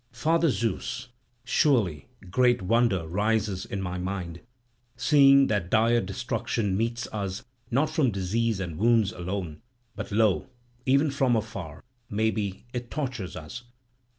Father Zeus, surely great wonder rises in my mind, seeing that dire destruction meets us not from disease and wounds alone, but lo! even from afar, may be, it tortures us!